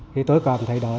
thì tôi cảm thấy đó